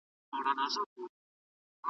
او د بل عیب همېشه د کلي منځ دی» `